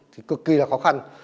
thì cực kỳ là khó khăn